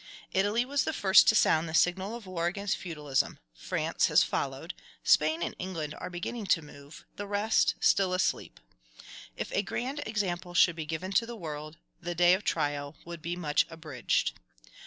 Italy was the first to sound the signal of war against feudalism; France has followed; Spain and England are beginning to move; the rest still sleep. If a grand example should be given to the world, the day of trial would be much abridged.